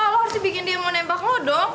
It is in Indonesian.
lo harusnya bikin dia mau nebak lo dong